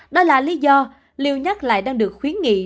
đó là lý do liều nhắc lại đang được khuyến nghị